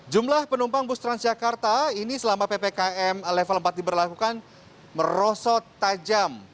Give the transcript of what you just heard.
jumlah penumpang bus transjakarta ini selama ppkm level empat diberlakukan merosot tajam